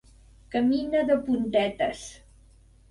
Camina de puntetes.